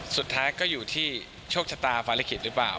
สุดท้ายก็อยู่ที่โชคชะตาภารกิจหรือเปล่า